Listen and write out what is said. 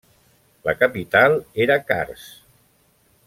La capital era Kars.